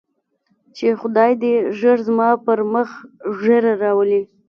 چې خداى دې ژر زما پر مخ ږيره راولي.